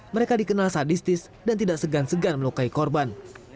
mereka dikenal sadistis dan tidak segan segan melukai korban